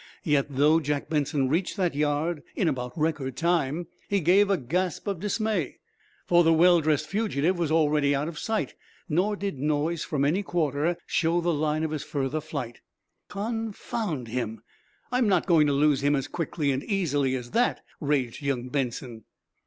Yet, though Jack Benson reached that yard in about record time, he gave a gasp of dismay. For the well dressed fugitive was already out of sight, nor did noise from any quarter show the line of his further flight. "Confound him, I'm not going to lose him as quickly and easily as that!" raged young Benson.